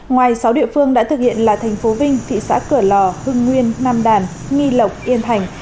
ngoài sáu địa phương đã thực hiện là thành phố vinh thị xã cửa lò hưng nguyên nam đàn nghi lộc yên thành